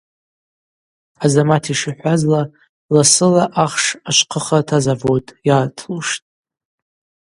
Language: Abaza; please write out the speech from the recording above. Азамат йшихӏвазла ласыла ахш ашвхъыхырта завод йартлуштӏ.